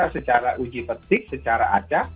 secara uji petik secara acak